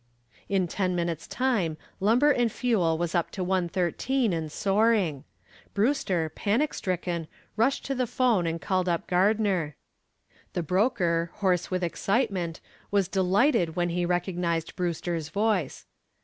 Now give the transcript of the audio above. In ten minutes' time Lumber and Fuel was up to 113 and soaring. Brewster, panic stricken, rushed to the telephone and called up Gardner. The broker, hoarse with excitement, was delighted when he recognized Brewster's voice.